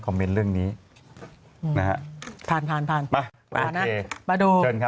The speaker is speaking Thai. แค่นี้ค่ะ